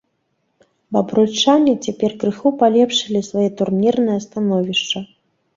Бабруйчане цяпер крыху палепшылі сваё турнірнае становішча.